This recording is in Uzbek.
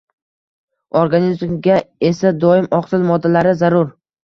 Organizmga esa doim oqsil moddalari zarur.